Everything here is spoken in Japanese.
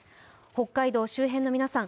北海道周辺の皆さん